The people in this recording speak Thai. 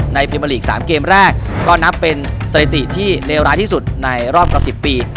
พรีเมอร์ลีก๓เกมแรกก็นับเป็นสถิติที่เลวร้ายที่สุดในรอบกว่า๑๐ปี